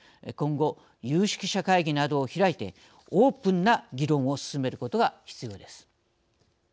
今後、有識者会議などを開いてオープンな議論を進めることが必要です。